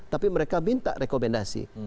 tapi mereka minta rekomendasi